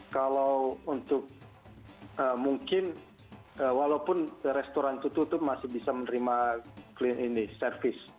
kalau untuk mungkin walaupun restoran itu tutup masih bisa menerima service